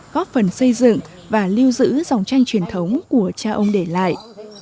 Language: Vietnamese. góp phần xây dựng và lưu giữ dòng tranh truyền thống của cha ông để lại